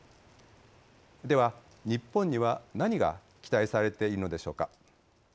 では、日本には何が期待されているのでしょうか。